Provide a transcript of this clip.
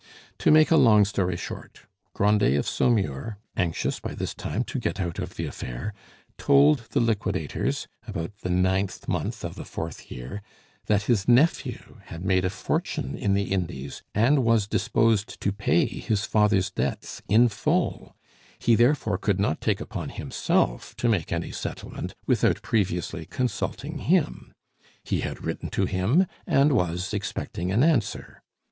To make a long story short, Grandet of Saumur, anxious by this time to get out of the affair, told the liquidators, about the ninth month of the fourth year, that his nephew had made a fortune in the Indies and was disposed to pay his father's debts in full; he therefore could not take upon himself to make any settlement without previously consulting him; he had written to him, and was expecting an answer.